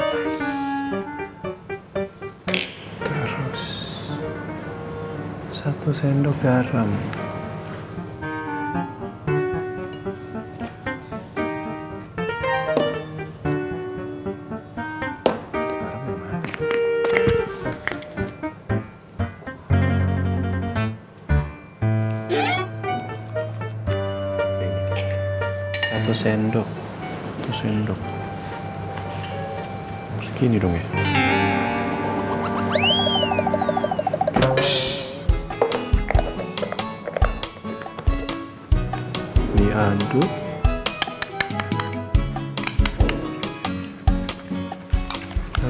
kita sudah ulang ya